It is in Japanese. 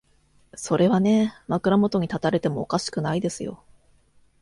それはね、枕元に立たれてもおかしくないですよ。